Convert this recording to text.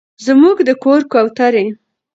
زموږ د کور کوترې